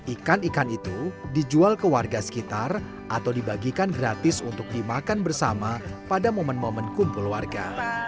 ikan ikan itu dijual ke warga sekitar atau dibagikan gratis untuk dimakan bersama pada momen momen kumpul warga